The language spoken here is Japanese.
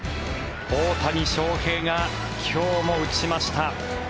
大谷翔平が今日も打ちました。